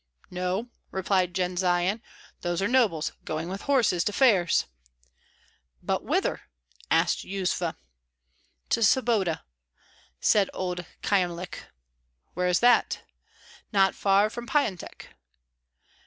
"No," replied Jendzian; "those are nobles going with horses to fairs." "But whither?" asked Yuzva. "To Sobota," said old Kyemlich. "Where is that?" "Not far from Pyantek."